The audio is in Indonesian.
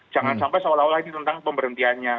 jangan sampai seolah olah ini tentang pemberhentiannya